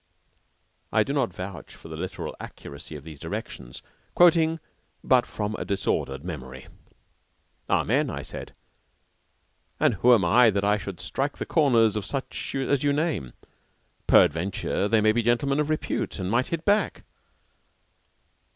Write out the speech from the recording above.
I do not vouch for the literal accuracy of these directions, quoting but from a disordered memory. "Amen," I said. "But who am I that I should strike the corners of such as you name? Peradventure they be gentlemen of repute, and might hit back.